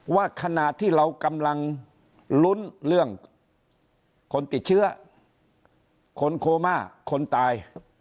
ว่าขณะที่เรากำลังลุ้นเรื่องคนติดเชื้อคนโคม่าคนตาย